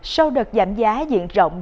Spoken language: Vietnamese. sau đợt giảm giá diện rộng